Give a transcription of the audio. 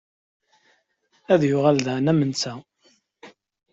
Ad yuɣal daɣen am netta.